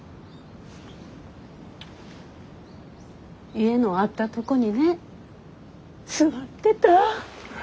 家のあったとこにね座ってた。